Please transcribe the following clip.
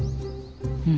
うん。